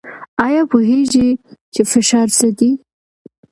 ایا پوهیږئ چې فشار څه دی؟